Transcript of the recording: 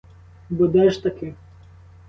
Бо де ж таки!